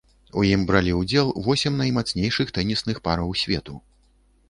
У ім бралі ўдзел восем наймацнейшых тэнісных параў свету.